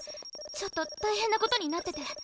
ちょっと大変なことになってて。